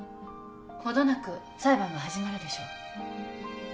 程なく裁判が始まるでしょう。